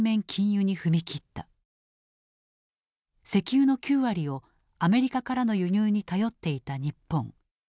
石油の９割をアメリカからの輸入に頼っていた日本。